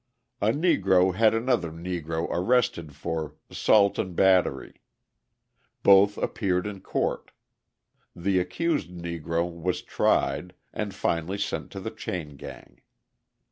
A Negro had another Negro arrested for "'sault and battery." Both appeared in court. The accused Negro was tried, and finally sent to the chain gang.